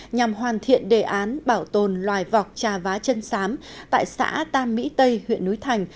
nhằm hoàn thiện đề án bảo tồn loài vọc trà vá chân sám tại xã tam mỹ tây huyện núi thành